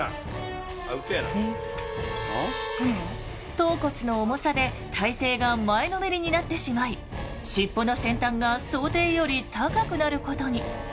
頭骨の重さで体勢が前のめりになってしまい尻尾の先端が想定より高くなることに。